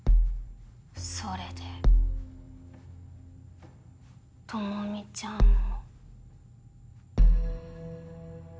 それで朋美ちゃんも。